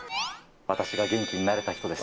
私が元気になれた人です。